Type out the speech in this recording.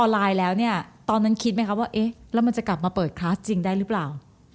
แล้วมันจะกลับมาเปิดคลาสจริงได้หรือเปล่า